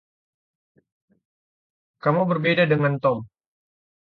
Kamu berbeda dengan Tom.